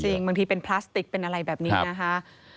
บางทีเป็นพลาสติกเป็นอะไรแบบนี้นะคะ